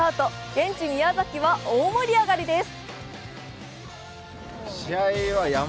現地・宮崎は大盛り上がりです。